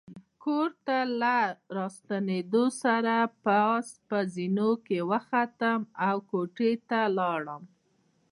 کور ته له راستنېدو سره پاس په زینو کې وختلم او کوټې ته ولاړم.